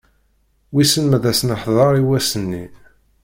Wissen ma ad as-neḥder i wass-nni.